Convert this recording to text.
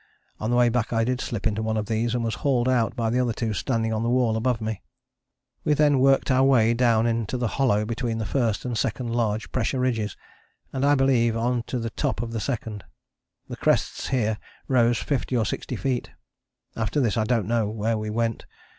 On the way back I did slip into one of these and was hauled out by the other two standing on the wall above me. We then worked our way down into the hollow between the first and second large pressure ridges, and I believe on to the top of the second. The crests here rose fifty or sixty feet. After this I don't know where we went.